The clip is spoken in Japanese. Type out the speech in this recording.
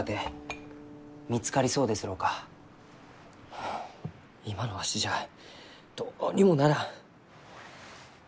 はあ今のわしじゃどうにもならん。